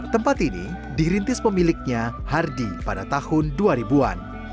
tempat ini dirintis pemiliknya hardy pada tahun dua ribu an